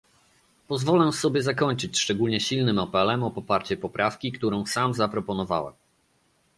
Pozwolę sobie zakończyć szczególnie silnym apelem o poparcie poprawki, którą sam zaproponowałem